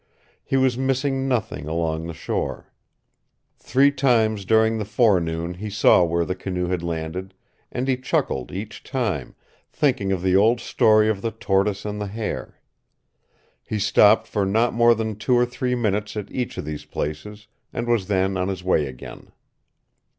He was missing nothing along the shore. Three times during the forenoon he saw where the canoe had landed, and he chuckled each time, thinking of the old story of the tortoise and the hare. He stopped for not more than two or three minutes at each of these places, and was then on his way again.